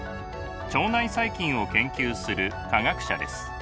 腸内細菌を研究する科学者です。